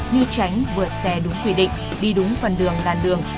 như tránh vượt xe đúng quy định đi đúng phần đường làn đường